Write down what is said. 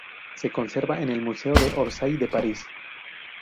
Se conserva en el Museo de Orsay de París.